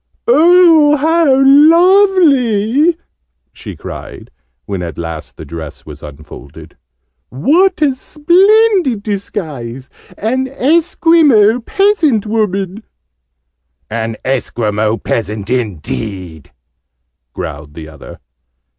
"Oh, how lovely!" she cried, when at last the dress was unfolded. "What a splendid disguise! An Esquimaux peasant woman!" "An Esquimaux peasant, indeed!" growled the other.